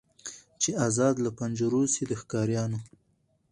چي آزاد له پنجرو سي د ښکاریانو